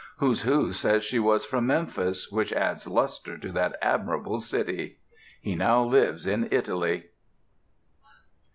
Who's Who says she was from Memphis, which adds lustre to that admirable city. He now lives in Italy.